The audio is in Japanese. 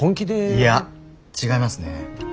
いや違いますね。